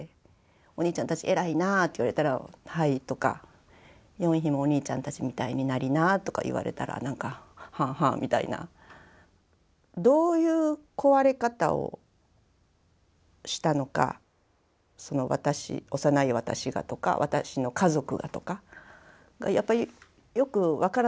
「お兄ちゃんたち偉いな」って言われたら「はい」とか。「ヨンヒもお兄ちゃんたちみたいになりな」とか言われたら「はあはあ」みたいな。どういう壊れ方をしたのか幼い私がとか私の家族がとかやっぱりよく分からなかったんだと思います。